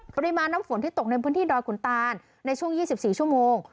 ปริมาณน้ำฝนที่ตกในพันธีรอยขุนตาลในช่วงยี่สิบสี่ชั่วโมง